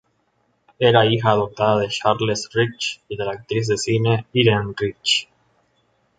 Era hija adoptada de Charles Rich y de la actriz de cine Irene Rich.